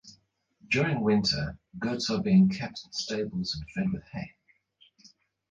During winter goats are being kept in stables and fed with hay.